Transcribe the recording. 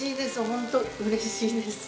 本当うれしいです。